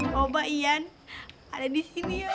koba ian ada di sini ya